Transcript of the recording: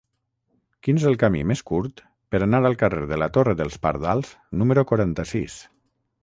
Quin és el camí més curt per anar al carrer de la Torre dels Pardals número quaranta-sis?